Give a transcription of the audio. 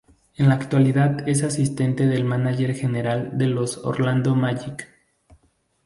En la actualidad es asistente del mánager general de los Orlando Magic.